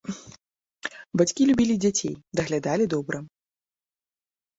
Бацькі любілі дзяцей, даглядалі добра.